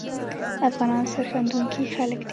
افغانان سرښندونکي خلګ دي